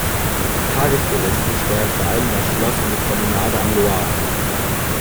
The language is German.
Tagestouristen steuern vor allem das Schloss und die Promenade am Loir an.